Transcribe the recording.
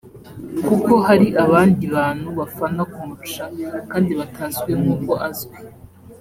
kuko hari abandi bantu bafana kumurusha kandi batazwi nk’uko azwi